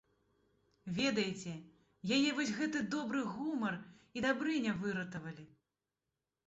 Ведаеце, яе вось гэты добры гумор і дабрыня выратавалі.